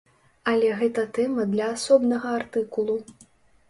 Але гэта тэма для асобнага артыкулу.